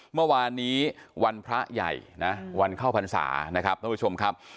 เมื่อวานนี้วันพระใหญ่นะวันเข้าพรรษานะครับท่านผู้ชมครับ